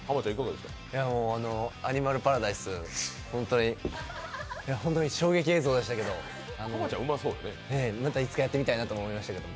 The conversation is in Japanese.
アニマルパラダイス、本当に衝撃映像でしたけどいつかやってみたいと思いましたけど。